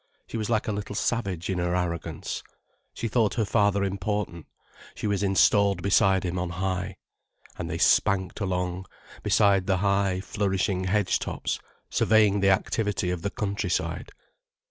She was like a little savage in her arrogance. She thought her father important, she was installed beside him on high. And they spanked along, beside the high, flourishing hedge tops, surveying the activity of the countryside.